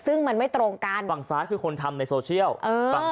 ซึ่งมันไม่ตรงกันฝั่งซ้ายคือคนทำในโซเชียล